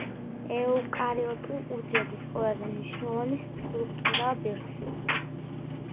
ეუკარიოტული უჯრედის ყველაზე მნიშვნელოვანი სტრუქტურაა ბირთვი.